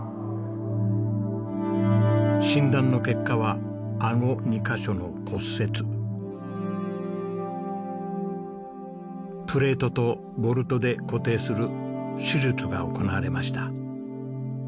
診断の結果はプレートとボルトで固定する手術が行われました。